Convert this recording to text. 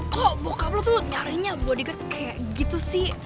kok bokap lo tuh nyarinya bodyguard kayak gitu sih